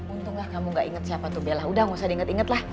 untunglah kamu gak inget siapa tuh bella udah gak usah diinget inget lah